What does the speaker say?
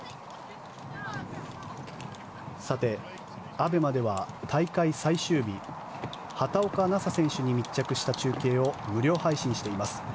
ＡＢＥＭＡでは大会最終日畑岡奈紗選手に密着した中継を無料配信しています。